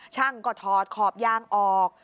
ช่างก็ถอดขอบยางออก